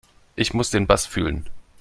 Ich muss den Bass fühlen.